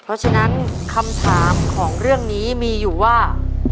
เพราะฉะนั้นคำถามของเรื่องนี้มีอยู่ว่า